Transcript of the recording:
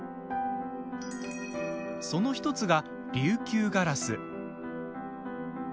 その１つが、琉球ガラス。